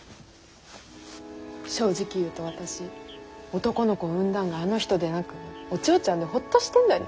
正直言うと私男の子を生んだんがあの人でなくお千代ちゃんでホッとしてんだに。